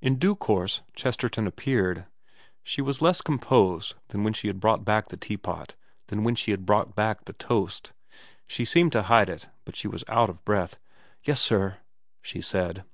In due course Chesterton appeared. She was less VERA 269 composed than when she brought back the teapot, than when she brought back the toast. She tried to hide it, but she was out of breath. ' Yes sir ?' she said.